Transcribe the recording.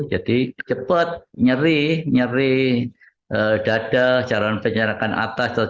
jadi cepat nyeri nyeri dada carawan pencernaan atas